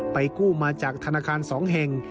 ไปกู้มาจากธนาคารสองแห่ง